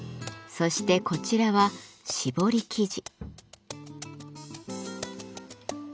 そしてこちらは絞り生地。